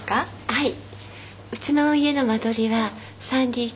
はい。